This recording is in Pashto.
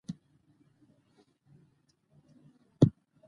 له فضا کتل د ځمکې ښکلي منظره او مذهبي ودانۍ ښيي.